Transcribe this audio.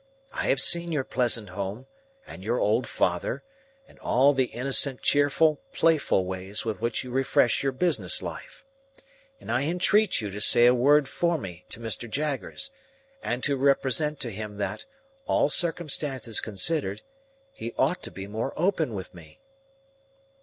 I have seen your pleasant home, and your old father, and all the innocent, cheerful playful ways with which you refresh your business life. And I entreat you to say a word for me to Mr. Jaggers, and to represent to him that, all circumstances considered, he ought to be more open with me!"